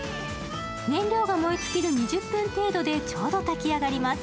燃料が燃え尽きる２０分程度でちょうど炊き上がります。